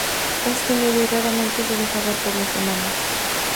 Es tímido y raramente se deja ver por los humanos.